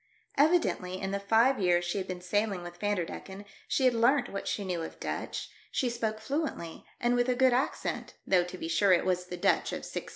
Evidently, in the five years she had been sailing' with Vanderdecken, she had learnt what she knew of Dutch , she l52 THE DEATH SHIP. spoke fluently, and with a good accent, though, to be sure, it was the Dutch of 1650.